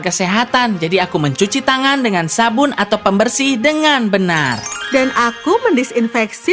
kesehatan jadi aku mencuci tangan dengan sabun atau pembersih dengan benar dan aku mendisinfeksi